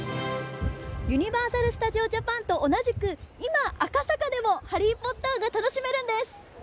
ユニバーサル・スタジオ・ジャパンと同じく、今、赤坂でも「ハリー・ポッター」が楽しめるんです。